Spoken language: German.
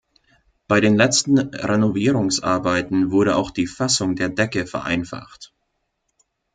Bei den letzten Renovierungsarbeiten wurde auch die Fassung der Decke vereinfacht.